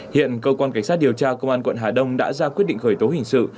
hiện cơ quan cảnh sát điều tra công an quận hà đông đã ra quyết định khởi tố hình sự